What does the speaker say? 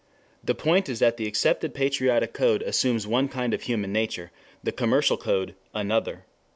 The point is that the accepted patriotic code assumes one kind of human nature, the commercial code another.